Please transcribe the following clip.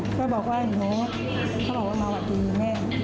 เขาบอกว่ามันมาแบบนี้แม่น